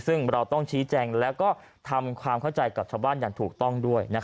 ซึ่งเราต้องชี้แจงแล้วก็ทำความเข้าใจกับชาวบ้านอย่างถูกต้องด้วย